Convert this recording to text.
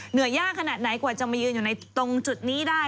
เหนื่อยยากขนาดไหนกว่าจะมายืนอยู่ในตรงจุดนี้ได้